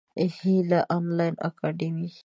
هیله انلاین اکاډمي.